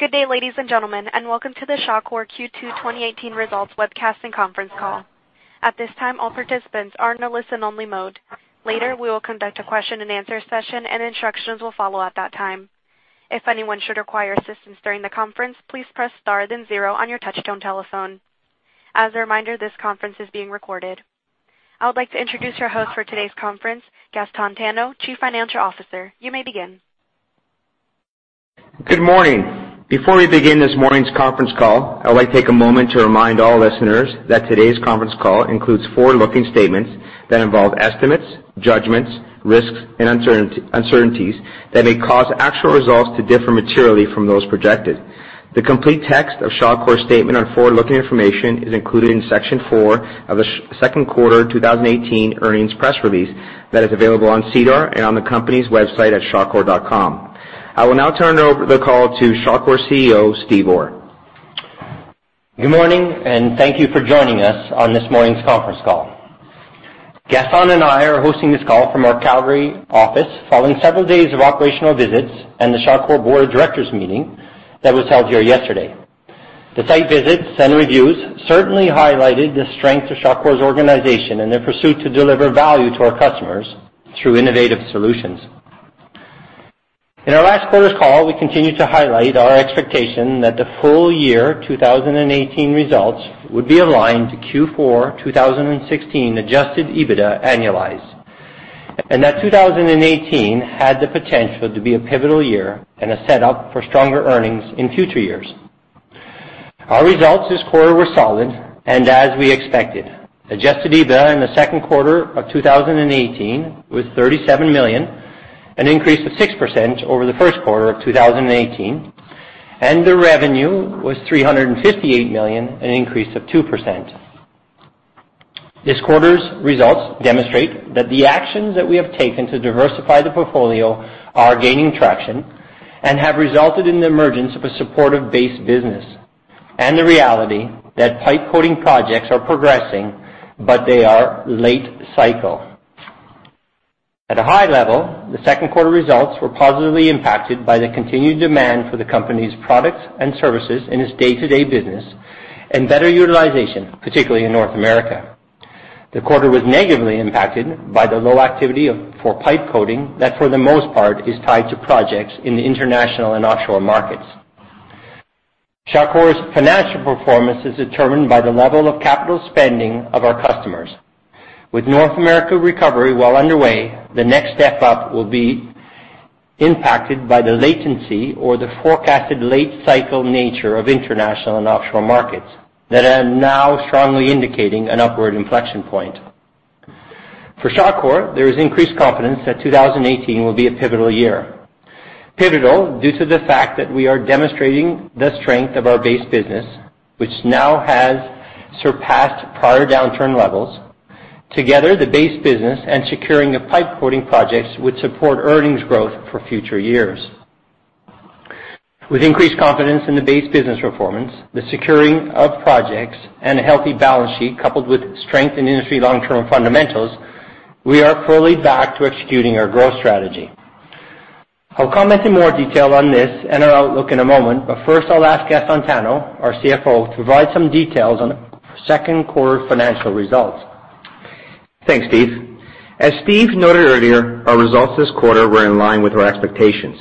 Good day, ladies and gentlemen, and welcome to the Shawcor Q2 2018 Results Webcast and Conference Call. At this time, all participants are in a listen-only mode. Later, we will conduct a question-and-answer session, and instructions will follow at that time. If anyone should require assistance during the conference, please press star then zero on your touchtone telephone. As a reminder, this conference is being recorded. I would like to introduce your host for today's conference, Gaston Tanno, Chief Financial Officer. You may begin. Good morning. Before we begin this morning's conference call, I would like to take a moment to remind all listeners that today's conference call includes forward-looking statements that involve estimates, judgments, risks, and uncertainties that may cause actual results to differ materially from those projected. The complete text of Shawcor's statement on forward-looking information is included in Section Four of the second quarter 2018 earnings press release that is available on SEDAR and on the company's website at shawcor.com. I will now turn over the call to Shawcor CEO, Steve Orr. Good morning, and thank you for joining us on this morning's conference call. Gaston and I are hosting this call from our Calgary office following several days of operational visits and the Shawcor Board of Directors meeting that was held here yesterday. The site visits and reviews certainly highlighted the strength of Shawcor's organization and their pursuit to deliver value to our customers through innovative solutions. In our last quarter's call, we continued to highlight our expectation that the full year 2018 results would be aligned to Q4 2016 adjusted EBITDA annualized, and that 2018 had the potential to be a pivotal year and a setup for stronger earnings in future years. Our results this quarter were solid and as we expected. Adjusted EBITDA in the second quarter of 2018 was 37 million, an increase of 6% over the first quarter of 2018, and the revenue was 358 million, an increase of 2%. This quarter's results demonstrate that the actions that we have taken to diversify the portfolio are gaining traction and have resulted in the emergence of a supportive base business and the reality that pipe coating projects are progressing, but they are late-cycle. At a high level, the second quarter results were positively impacted by the continued demand for the company's products and services in its day-to-day business and better utilization, particularly in North America. The quarter was negatively impacted by the low activity for pipe coating that, for the most part, is tied to projects in the international and offshore markets. Shawcor's financial performance is determined by the level of capital spending of our customers. With North America recovery well underway, the next step up will be impacted by the latency or the forecasted late-cycle nature of international and offshore markets that are now strongly indicating an upward inflection point. For Shawcor, there is increased confidence that 2018 will be a pivotal year. Pivotal due to the fact that we are demonstrating the strength of our base business, which now has surpassed prior downturn levels. Together, the base business and securing of pipe coating projects would support earnings growth for future years. With increased confidence in the base business performance, the securing of projects, and a healthy balance sheet, coupled with strength in industry long-term fundamentals, we are fully back to executing our growth strategy. I'll comment in more detail on this and our outlook in a moment, but first, I'll ask Gaston Tanno, our CFO, to provide some details on second quarter financial results. Thanks, Steve. As Steve noted earlier, our results this quarter were in line with our expectations.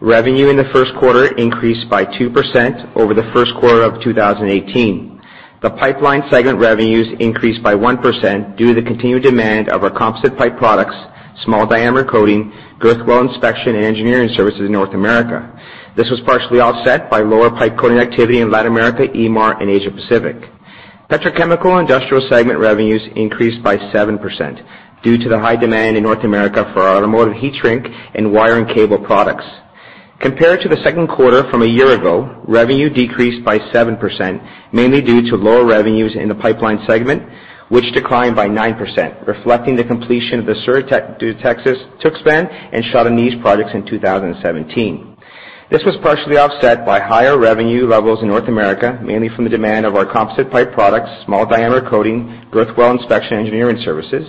Revenue in the first quarter increased by 2% over the first quarter of 2018. The Pipeline segment revenues increased by 1% due to the continued demand of our composite pipe products, small diameter coating, girth weld inspection, and engineering services in North America. This was partially offset by lower pipe coating activity in Latin America, EMAR, and Asia Pacific. Petrochemical and Industrial segment revenues increased by 7% due to the high demand in North America for automotive heat shrink and wire and cable products. Compared to the second quarter from a year ago, revenue decreased by 7%, mainly due to lower revenues in the Pipeline segment, which declined by 9%, reflecting the completion of the Sur de Texas-Tuxpan and Shah Deniz projects in 2017. This was partially offset by higher revenue levels in North America, mainly from the demand of our composite pipe products, small diameter coating, girth weld inspection, engineering services.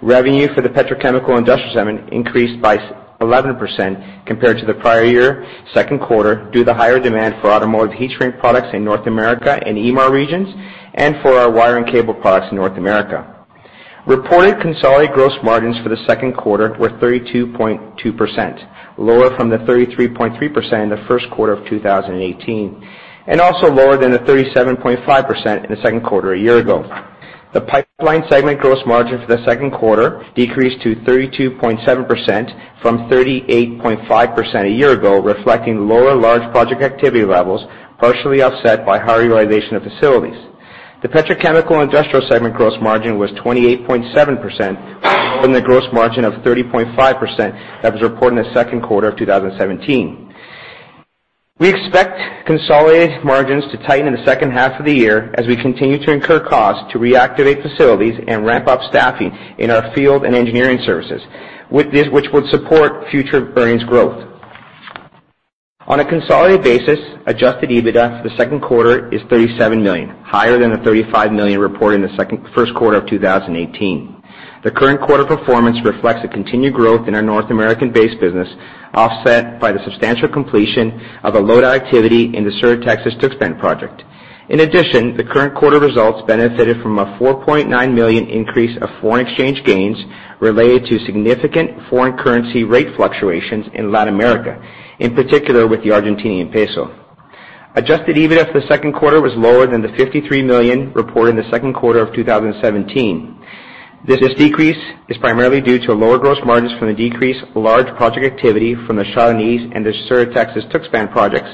Revenue for the Petrochemical and Industrial segment increased by 11% compared to the prior year second quarter, due to the higher demand for automotive heat shrink products in North America and EMAR regions, and for our wire and cable products in North America. Reported consolidated gross margins for the second quarter were 32.2%, lower from the 33.3% in the first quarter of 2018, and also lower than the 37.5% in the second quarter a year ago. The Pipeline segment gross margin for the second quarter decreased to 32.7% from 38.5% a year ago, reflecting lower large project activity levels, partially offset by high utilization of facilities. The Petrochemical and Industrial segment gross margin was 28.7%, on the gross margin of 30.5% that was reported in the second quarter of 2017. We expect consolidated margins to tighten in the second half of the year as we continue to incur costs to reactivate facilities and ramp up staffing in our field and engineering services. With this, which would support future earnings growth. On a consolidated basis, adjusted EBITDA for the second quarter is 37 million, higher than the 35 million reported in the first quarter of 2018. The current quarter performance reflects a continued growth in our North American-based business, offset by the substantial completion of a loadout activity in the Sur de Texas-Tuxpan project. In addition, the current quarter results benefited from a 4.9 million increase of foreign exchange gains related to significant foreign currency rate fluctuations in Latin America, in particular with the Argentinian peso. Adjusted EBITDA for the second quarter was lower than the 53 million reported in the second quarter of 2017. This decrease is primarily due to lower gross margins from the decreased large project activity from the Shah Deniz and the Sur de Texas-Tuxpan projects,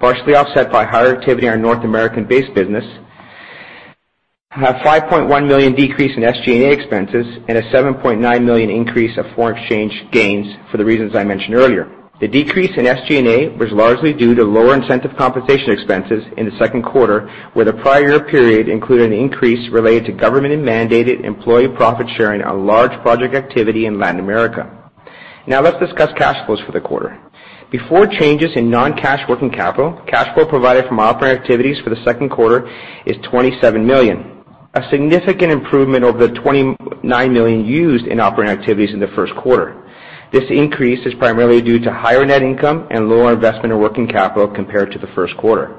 partially offset by higher activity on North American-based business, a 5.1 million decrease in SG&A expenses, and a 7.9 million increase of foreign exchange gains for the reasons I mentioned earlier. The decrease in SG&A was largely due to lower incentive compensation expenses in the second quarter, where the prior period included an increase related to government and mandated employee profit sharing on large project activity in Latin America. Now let's discuss cash flows for the quarter. Before changes in non-cash working capital, cash flow provided from operating activities for the second quarter is 27 million, a significant improvement over the 29 million used in operating activities in the first quarter. This increase is primarily due to higher net income and lower investment in working capital compared to the first quarter.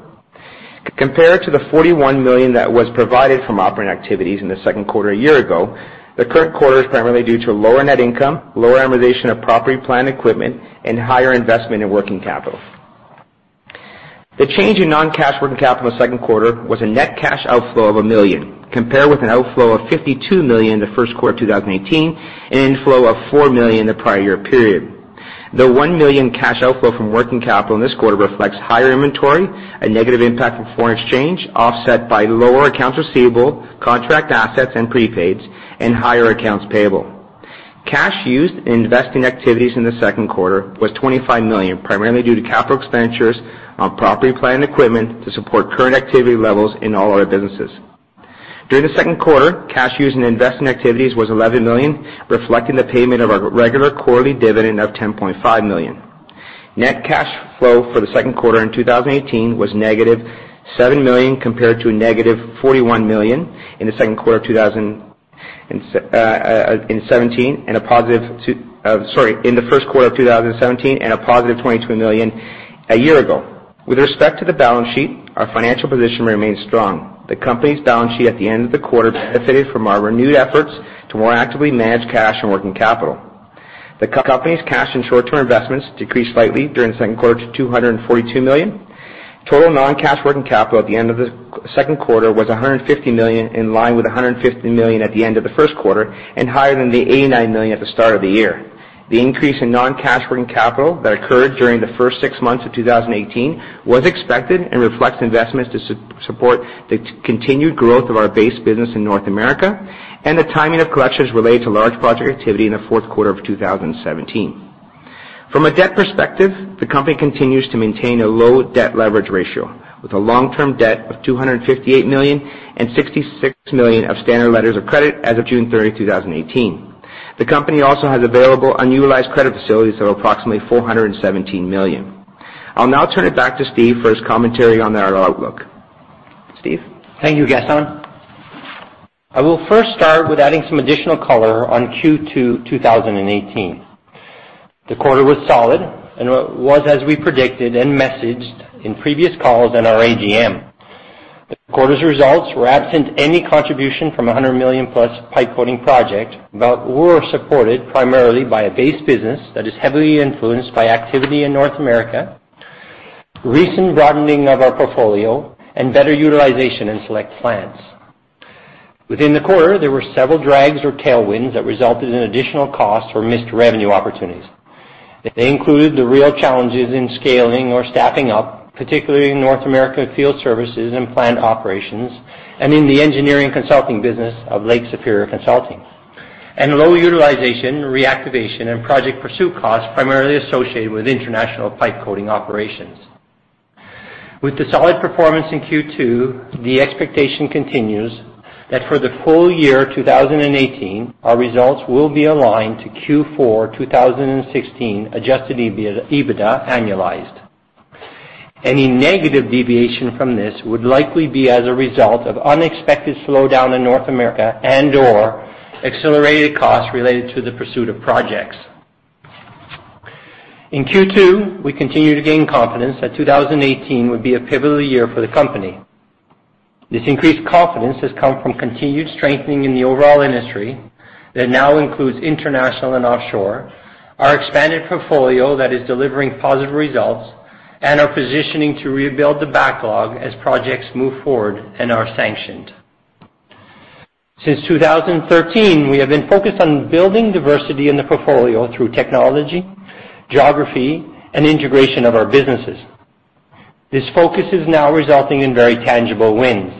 Compared to the 41 million that was provided from operating activities in the second quarter a year ago, the current quarter is primarily due to lower net income, lower amortization of property plant equipment, and higher investment in working capital. The change in non-cash working capital in the second quarter was a net cash outflow of 1 million, compared with an outflow of 52 million in the first quarter of 2018, and inflow of 4 million in the prior year period. The 1 million cash outflow from working capital in this quarter reflects higher inventory, a negative impact from foreign exchange, offset by lower accounts receivable, contract assets, and prepaids, and higher accounts payable. Cash used in investing activities in the second quarter was 25 million, primarily due to capital expenditures on property plant equipment to support current activity levels in all our businesses. During the second quarter, cash used in investing activities was CAD 11 million, reflecting the payment of our regular quarterly dividend of CAD 10.5 million. Net cash flow for the second quarter in 2018 was CAD -7 million, compared to a CAD -41 million in the second quarter of 2017, and a +2 million in the first quarter of 2017, and a CAD +22 million a year ago. With respect to the balance sheet, our financial position remains strong. The company's balance sheet at the end of the quarter benefited from our renewed efforts to more actively manage cash and working capital. The company's cash and short-term investments decreased slightly during the second quarter to 242 million. Total non-cash working capital at the end of the second quarter was 150 million, in line with 150 million at the end of the first quarter, and higher than 89 million at the start of the year. The increase in non-cash working capital that occurred during the first six months of 2018 was expected and reflects investments to support the continued growth of our base business in North America, and the timing of collections related to large project activity in the fourth quarter of 2017. From a debt perspective, the company continues to maintain a low debt leverage ratio, with long-term debt of 258 million and 66 million of standard letters of credit as of June 30, 2018. The company also has available unused credit facilities of approximately 417 million. I'll now turn it back to Steve for his commentary on our outlook. Steve? Thank you, Gaston. I will first start with adding some additional color on Q2 2018. The quarter was solid and was, as we predicted and messaged in previous calls and our AGM. The quarter's results were absent any contribution from a 100+ million pipe coating project, but were supported primarily by a base business that is heavily influenced by activity in North America, recent broadening of our portfolio, and better utilization in select plants. Within the quarter, there were several drags or tailwinds that resulted in additional costs or missed revenue opportunities. They included the real challenges in scaling or staffing up, particularly in North America field services and plant operations, and in the engineering consulting business of Lake Superior Consulting, and low utilization, reactivation, and project pursuit costs primarily associated with international pipe coating operations. With the solid performance in Q2, the expectation continues that for the full year 2018, our results will be aligned to Q4 2016 adjusted EBITDA annualized. Any negative deviation from this would likely be as a result of unexpected slowdown in North America and/or accelerated costs related to the pursuit of projects. In Q2, we continued to gain confidence that 2018 would be a pivotal year for the company. This increased confidence has come from continued strengthening in the overall industry that now includes international and offshore, our expanded portfolio that is delivering positive results, and our positioning to rebuild the backlog as projects move forward and are sanctioned. Since 2013, we have been focused on building diversity in the portfolio through technology, geography, and integration of our businesses. This focus is now resulting in very tangible wins.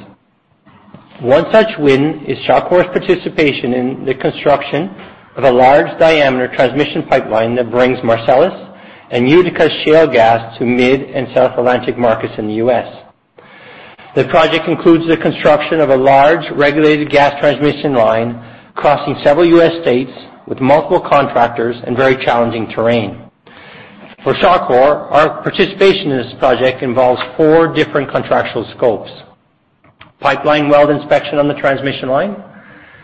One such win is Shawcor's participation in the construction of a large-diameter transmission pipeline that brings Marcellus and Utica Shale gas to Mid- and South Atlantic markets in the U.S. The project includes the construction of a large regulated gas transmission line crossing several U.S. states with multiple contractors and very challenging terrain. For Shawcor, our participation in this project involves four different contractual scopes: pipeline weld inspection on the transmission line,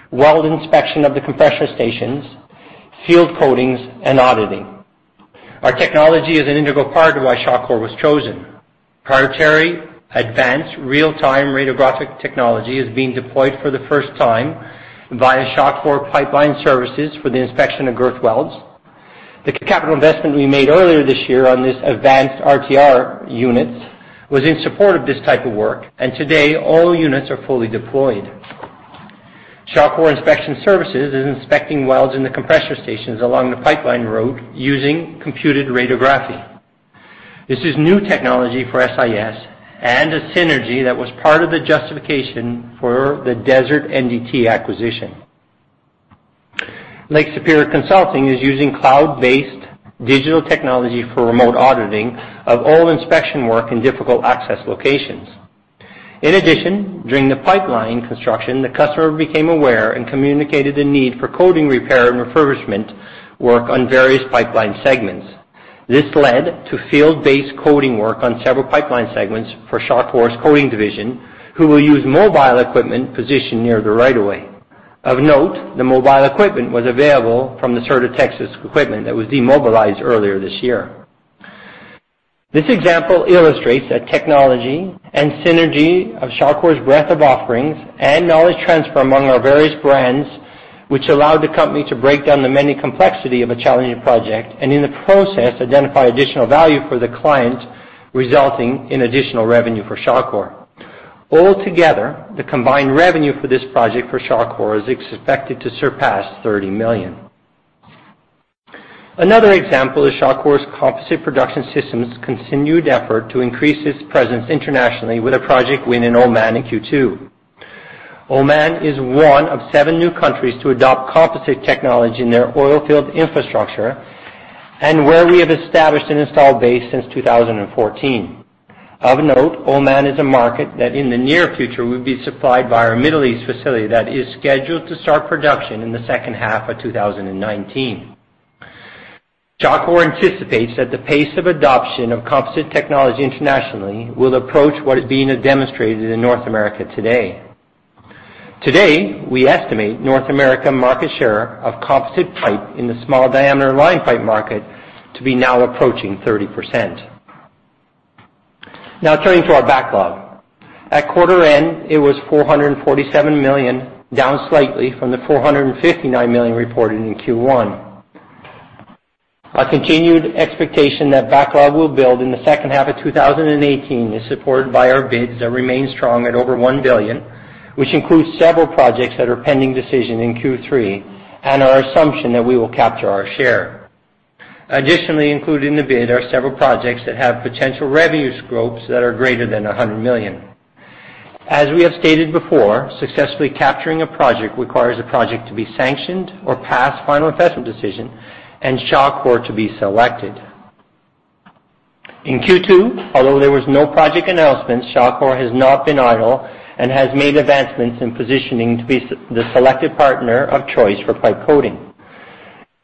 weld inspection of the compression stations, field coatings, and auditing. Our technology is an integral part of why Shawcor was chosen. Proprietary advanced real-time radiographic technology is being deployed for the first time via Shawcor Pipeline Services for the inspection of girth welds. The capital investment we made earlier this year on this advanced RTR unit was in support of this type of work, and today, all units are fully deployed. Shawcor Inspection Services is inspecting welds in the compressor stations along the pipeline route using computed radiography. This is new technology for SIS and a synergy that was part of the justification for the Desert NDT acquisition. Lake Superior Consulting is using cloud-based digital technology for remote auditing of all inspection work in difficult access locations. In addition, during the pipeline construction, the customer became aware and communicated the need for coating repair and refurbishment work on various Pipeline segments. This led to field-based coating work on several Pipeline segments for Shawcor's coating division, who will use mobile equipment positioned near the right of way. Of note, the mobile equipment was available from the Channelview, Texas, equipment that was demobilized earlier this year. This example illustrates that technology and synergy of Shawcor's breadth of offerings and knowledge transfer among our various brands, which allowed the company to break down the many complexity of a challenging project, and in the process, identify additional value for the client, resulting in additional revenue for Shawcor. Altogether, the combined revenue for this project for Shawcor is expected to surpass 30 million. Another example is Shawcor's Composite Production Systems continued effort to increase its presence internationally with a project win in Oman in Q2. Oman is one of 7 new countries to adopt composite technology in their oil field infrastructure and where we have established an installed base since 2014. Of note, Oman is a market that, in the near future, will be supplied by our Middle East facility that is scheduled to start production in the second half of 2019. Shawcor anticipates that the pace of adoption of composite technology internationally will approach what is being demonstrated in North America today. Today, we estimate North America market share of composite pipe in the small diameter line pipe market to be now approaching 30%. Now turning to our backlog. At quarter end, it was 447 million, down slightly from the 459 million reported in Q1. Our continued expectation that backlog will build in the second half of 2018 is supported by our bids that remain strong at over 1 billion, which includes several projects that are pending decision in Q3 and our assumption that we will capture our share. Additionally, included in the bid are several projects that have potential revenue scopes that are greater than 100 million. As we have stated before, successfully capturing a project requires a project to be sanctioned or pass final investment decision and Shawcor to be selected. In Q2, although there was no project announcement, Shawcor has not been idle and has made advancements in positioning to be the selected partner of choice for pipe coating.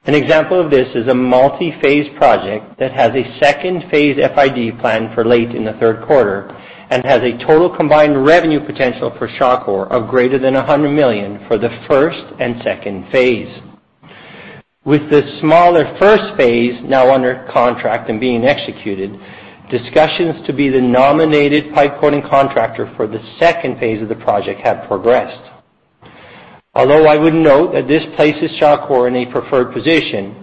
An example of this is a multi-phase project that has a phase II FID plan for late in the third quarter and has a total combined revenue potential for Shawcor of greater than 100 million for phase I and phase II. With the smaller first phase now under contract and being executed, discussions to be the nominated pipe coating contractor for phase II of the project have progressed. Although I would note that this places Shawcor in a preferred position,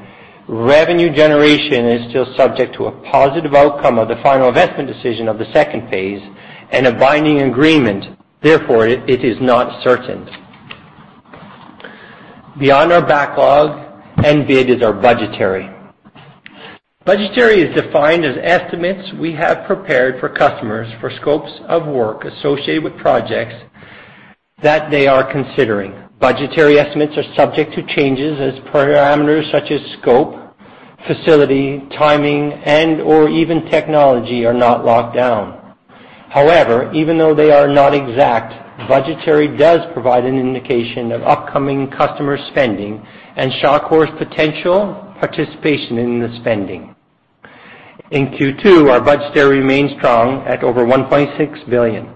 revenue generation is still subject to a positive outcome of the final investment decision of the phase II and a binding agreement, therefore, it is not certain. Beyond our backlog and bid is our budgetary. Budgetary is defined as estimates we have prepared for customers for scopes of work associated with projects that they are considering. Budgetary estimates are subject to changes as parameters such as scope, facility, timing, and/or even technology are not locked down. However, even though they are not exact, budgetary does provide an indication of upcoming customer spending and Shawcor's potential participation in the spending. In Q2, our budgetary remains strong at over 1.6 billion.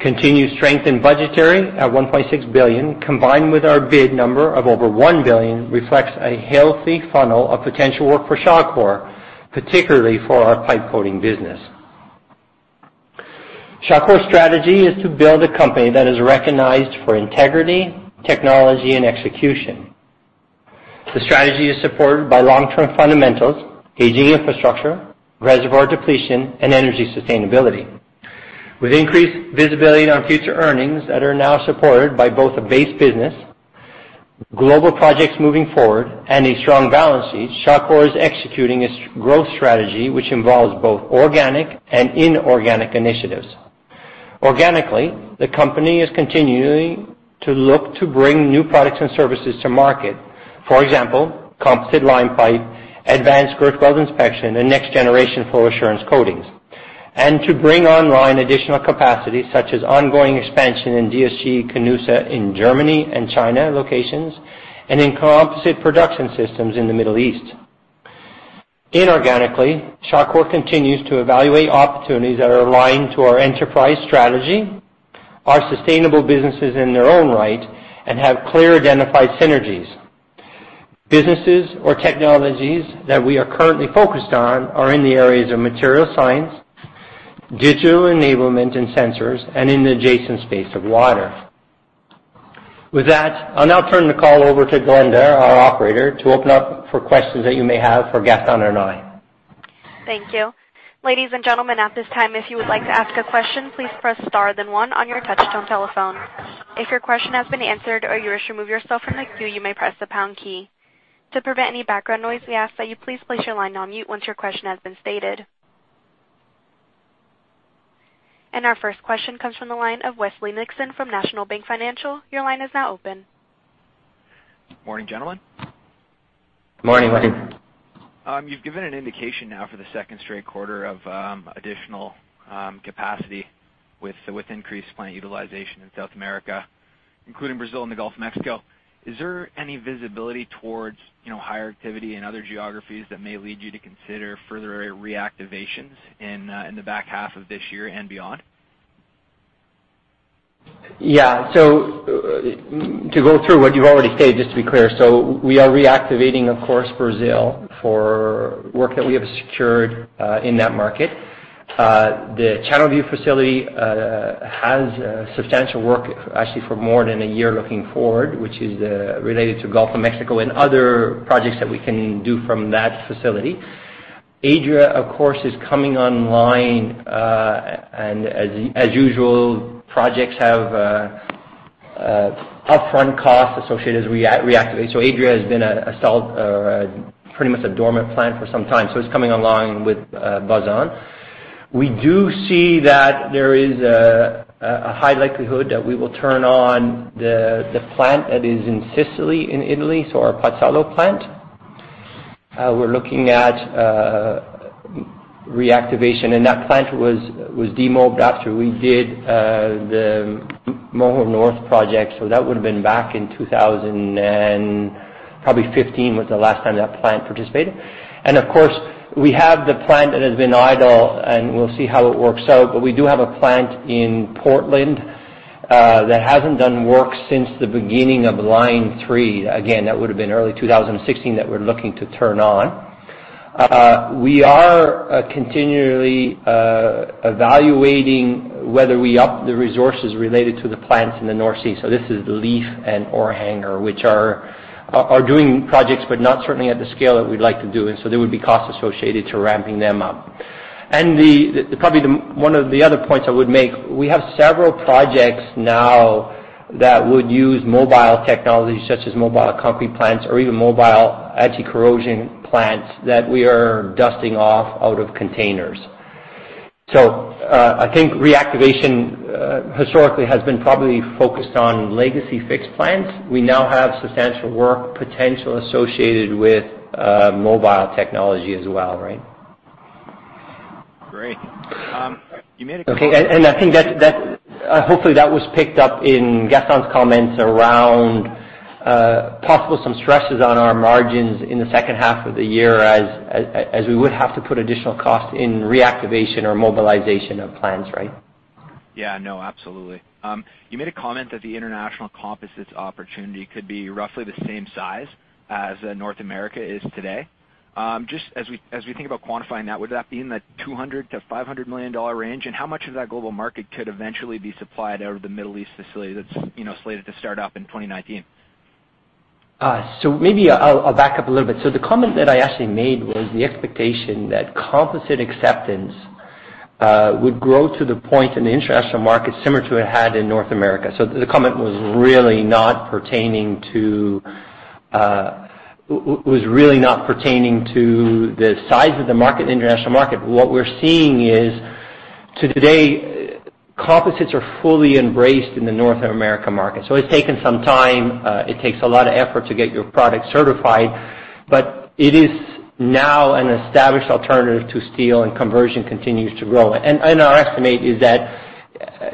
Continued strength in budgetary at 1.6 billion, combined with our bid number of over 1 billion, reflects a healthy funnel of potential work for Shawcor, particularly for our pipe coating business. Shawcor's strategy is to build a company that is recognized for integrity, technology, and execution. The strategy is supported by long-term fundamentals, aging infrastructure, reservoir depletion, and energy sustainability. With increased visibility on future earnings that are now supported by both a base business, global projects moving forward, and a strong balance sheet, Shawcor is executing its growth strategy, which involves both organic and inorganic initiatives. Organically, the company is continuing to look to bring new products and services to market. For example, composite line pipe, advanced girth weld inspection, and next-generation flow assurance coatings.... to bring online additional capacity, such as ongoing expansion in DSG-Canusa in Germany and China locations, and in Composite Production Systems in the Middle East. Inorganically, Shawcor continues to evaluate opportunities that are aligned to our enterprise strategy, are sustainable businesses in their own right, and have clear identified synergies. Businesses or technologies that we are currently focused on are in the areas of material science, digital enablement, and sensors, and in the adjacent space of water. With that, I'll now turn the call over to Glenda, our operator, to open up for questions that you may have for Gaston or I. Thank you. Ladies and gentlemen, at this time, if you would like to ask a question, please press star then one on your touchtone telephone. If your question has been answered or you wish to remove yourself from the queue, you may press the pound key. To prevent any background noise, we ask that you please place your line on mute once your question has been stated. Our first question comes from the line of Westley Nixon from National Bank Financial. Your line is now open. Morning, gentlemen. Morning, Wesley. You've given an indication now for the second straight quarter of additional capacity with, so with increased plant utilization in South America, including Brazil and the Gulf of Mexico. Is there any visibility towards, you know, higher activity in other geographies that may lead you to consider further reactivations in the back half of this year and beyond? Yeah. So, to go through what you've already stated, just to be clear, so we are reactivating, of course, Brazil for work that we have secured in that market. The Channelview facility has substantial work, actually, for more than a year looking forward, which is related to Gulf of Mexico and other projects that we can do from that facility. Adria, of course, is coming online, and as usual, projects have upfront costs associated as we reactivate. So Adria has been pretty much a dormant plant for some time, so it's coming along with Batam. We do see that there is a high likelihood that we will turn on the plant that is in Sicily, in Italy, so our Pozzallo plant. We're looking at reactivation, and that plant was demobilized after we did the Moho Nord project, so that would have been back in 2015, was the last time that plant participated. And of course, we have the plant that has been idle, and we'll see how it works out, but we do have a plant in Portland that hasn't done work since the beginning of Line 3. Again, that would have been early 2016 that we're looking to turn on. We are continually evaluating whether we up the resources related to the plants in the North Sea. So this is Leith and Orkanger, which are doing projects, but not certainly at the scale that we'd like to do, and so there would be costs associated to ramping them up. And probably one of the other points I would make, we have several projects now that would use mobile technology, such as mobile concrete plants or even mobile anti-corrosion plants, that we are dusting off out of containers. So, I think reactivation, historically, has been probably focused on legacy fixed plants. We now have substantial work potential associated with mobile technology as well, right? Great. You made a comment- Okay, and I think that's hopefully that was picked up in Gaston's comments around possible some stresses on our margins in the second half of the year as we would have to put additional costs in reactivation or mobilization of plants, right? Yeah. No, absolutely. You made a comment that the international composites opportunity could be roughly the same size as North America is today. Just as we think about quantifying that, would that be in the 200 million-500 million dollar range? And how much of that global market could eventually be supplied out of the Middle East facility that's, you know, slated to start up in 2019? So maybe I'll back up a little bit. So the comment that I actually made was the expectation that composite acceptance would grow to the point in the international market similar to it had in North America. So the comment was really not pertaining to was really not pertaining to the size of the market, the international market. What we're seeing is up to today, composites are fully embraced in the North America market. So it's taken some time, it takes a lot of effort to get your product certified, but it is now an established alternative to steel, and conversion continues to grow. And our estimate is that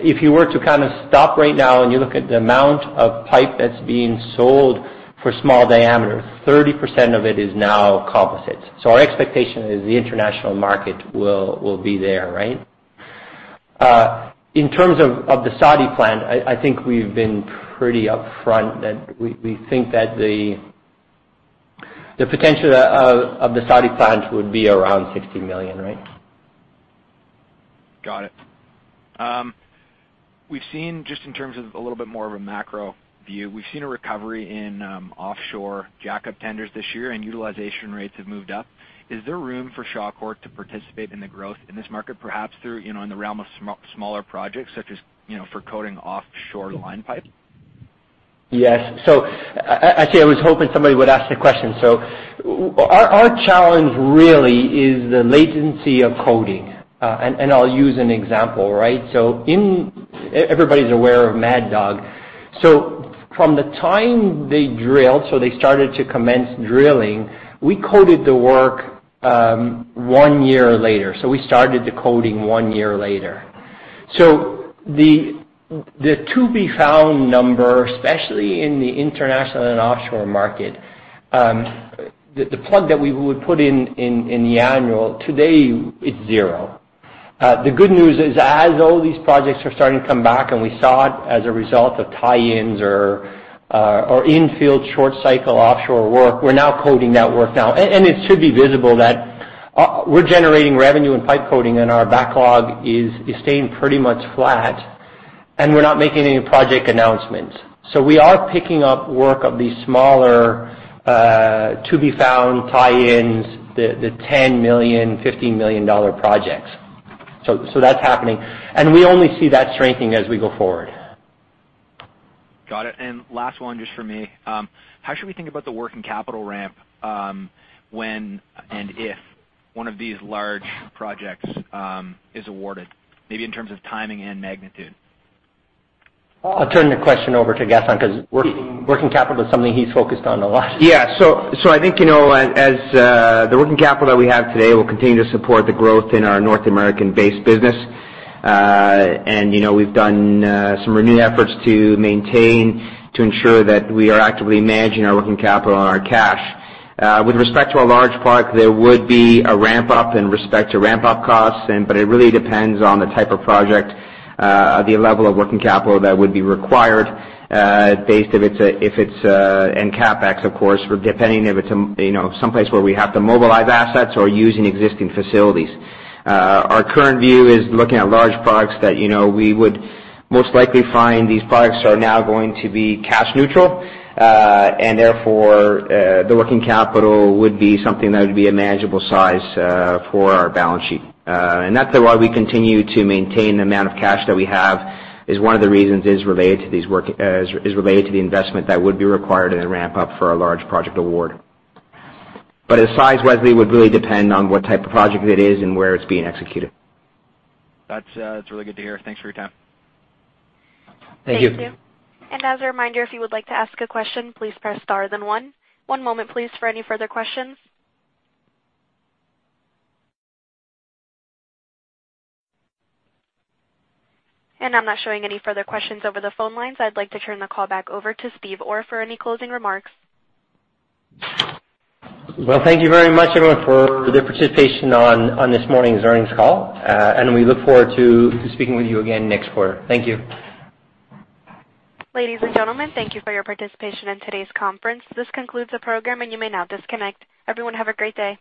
if you were to kind of stop right now and you look at the amount of pipe that's being sold for small diameter, 30% of it is now composite. So our expectation is the international market will be there, right? In terms of the Saudi plant, I think we've been pretty upfront that we think that the potential of the Saudi plant would be around 60 million, right? Got it. We've seen, just in terms of a little bit more of a macro view, we've seen a recovery in offshore jackup tenders this year, and utilization rates have moved up. Is there room for Shawcor to participate in the growth in this market, perhaps through, you know, in the realm of smaller projects, such as, you know, for coating offshore line pipe? Yes. So actually, I was hoping somebody would ask the question. So our challenge really is the latency of coating, and I'll use an example, right? So in... Everybody's aware of Mad Dog. So from the time they drilled, so they started to commence drilling, we quoted the work, one year later. So we started the quoting one year later. So the to-be-found number, especially in the international and offshore market, the plug that we would put in, in the annual, today, it's zero. The good news is, as all these projects are starting to come back, and we saw it as a result of tie-ins or, or infield short-cycle offshore work, we're now quoting that work now. And it should be visible that we're generating revenue and pipe coating, and our backlog is staying pretty much flat, and we're not making any project announcements. So we are picking up work on these smaller to-be-found tie-ins, the 10 million, 15 million dollar projects. So that's happening, and we only see that strengthening as we go forward. Got it. And last one, just for me. How should we think about the working capital ramp, when and if one of these large projects is awarded, maybe in terms of timing and magnitude? I'll turn the question over to Gaston, because working capital is something he's focused on a lot. Yeah. So I think, you know, as the working capital that we have today will continue to support the growth in our North American-based business. And, you know, we've done some renewed efforts to maintain, to ensure that we are actively managing our working capital and our cash. With respect to a large part, there would be a ramp-up in respect to ramp-up costs and, but it really depends on the type of project, the level of working capital that would be required, based if it's if it's, and CapEx, of course, for depending if it's, you know, someplace where we have to mobilize assets or using existing facilities. Our current view is looking at large products that, you know, we would most likely find these products are now going to be cash neutral. Therefore, the working capital would be something that would be a manageable size for our balance sheet. That's why we continue to maintain the amount of cash that we have, is one of the reasons related to the investment that would be required in a ramp-up for a large project award. But the size, Wesley, would really depend on what type of project it is and where it's being executed. That's, that's really good to hear. Thanks for your time. Thank you. Thank you. As a reminder, if you would like to ask a question, please press star then one. One moment, please, for any further questions. I'm not showing any further questions over the phone lines. I'd like to turn the call back over to Steve Orr for any closing remarks. Well, thank you very much, everyone, for their participation on this morning's earnings call, and we look forward to speaking with you again next quarter. Thank you. Ladies and gentlemen, thank you for your participation in today's conference. This concludes the program, and you may now disconnect. Everyone, have a great day.